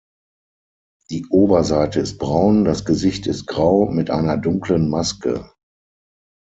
Die Oberseite ist braun, das Gesicht ist grau mit einer dunklen Maske.